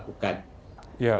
kita sudah melakukan